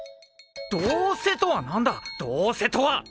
「どうせ」とは何だ「どうせ」とは！